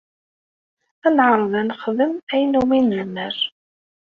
Ad neɛreḍ ad nexdem ayen umi nezmer.